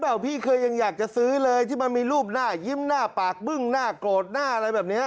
พี่เคยยังอยากจะซื้อเลยที่มันมีรูปหน้ายิ้มหน้าปากบึ้งหน้าโกรธหน้าอะไรแบบนี้